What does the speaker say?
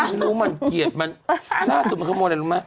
ไม่รู้มันเกลียดมันล่าสุดมันขโมยอะไรรู้ไหม